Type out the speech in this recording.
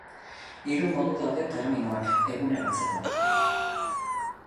Hiru modu daude terminoak eguneratzeko.